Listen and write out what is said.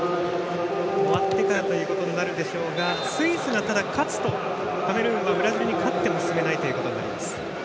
終わってからということになるでしょうがスイスがただ、勝つとカメルーンはブラジルに勝っても進めないことになります。